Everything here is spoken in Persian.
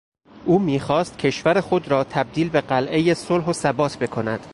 او میخواست کشور خود را تبدیل به قلعهی صلح و ثبات بکند.